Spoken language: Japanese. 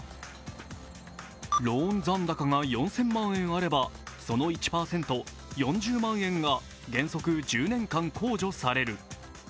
ローン残高が４０００万円あればその１％、４０万円が原則１０年間控除される。